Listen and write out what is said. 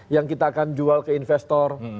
yang kita akan jual ke investor